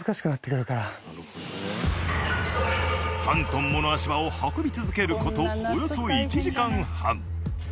３トンもの足場を運び続ける事およそ１時間半。